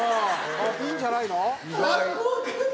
「いいんじゃないの？」